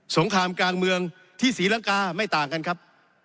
งครามกลางเมืองที่ศรีลังกาไม่ต่างกันครับ